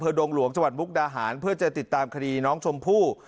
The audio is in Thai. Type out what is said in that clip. ดงหลวงจังหวัดมุกดาหารเพื่อจะติดตามคดีน้องชมพู่